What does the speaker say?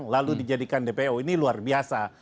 lalu dijadikan dpo ini luar biasa